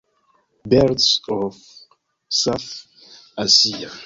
Birds of South Asia.